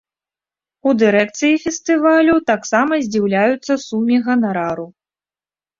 У дырэкцыі фестывалю таксама здзіўляюцца суме ганарару.